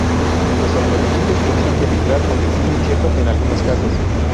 Los sobrevivientes tuvieron que emigrar con destino incierto en algunos casos.